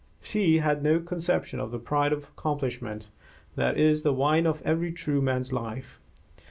She had no conception of the pride of accomplishment that is the wine of every true man's life.